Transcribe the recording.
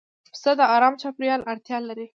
پسه د آرام چاپېریال اړتیا لري.